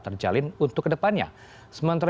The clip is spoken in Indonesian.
terjalin untuk kedepannya sementara